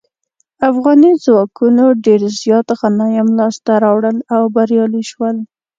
افغاني ځواکونو ډیر زیات غنایم لاسته راوړل او بریالي شول.